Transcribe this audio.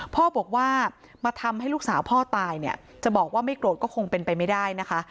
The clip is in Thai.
พ่อบอกว่ามาทำให้ลูกสาวพ่อตายเนี่ยจะบอกว่าไม่โกรธก็คงเป็นไปไม่ได้นะคะ